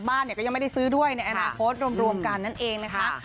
บ้านเนี่ยก็ยังไม่ได้ซื้อด้วยในอนาคตรวมกันนั่นเองนะคะ